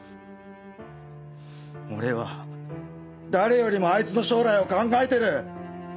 俺は誰よりもあいつの将来を考えてる。